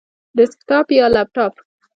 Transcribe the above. ډیسکټاپ یا لپټاپ؟